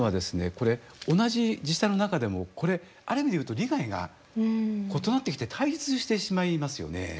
これ同じ自治体の中でもこれある意味で言うと利害が異なってきて対立してしまいますよね。